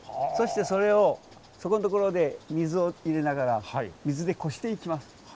そしてそれをそこんところで水を入れながら水でこしていきます。